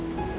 ibu juga ibu